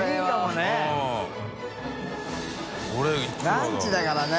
ランチだからね。